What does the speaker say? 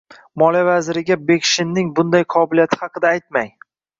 Moliya vaziriga Bekshinning bunday qobiliyati haqida aytmang